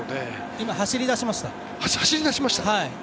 今、走り出しました。